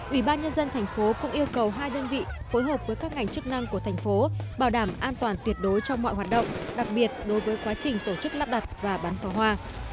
ủy ban nhân dân thành phố cũng yêu cầu hai đơn vị phối hợp với các ngành chức năng của thành phố bảo đảm an toàn tuyệt đối trong mọi hoạt động đặc biệt đối với quá trình tổ chức lắp đặt và bán pháo hoa